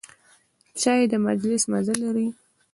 چای د مجلس مزه لري.